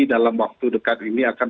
dalam waktu dekat ini akan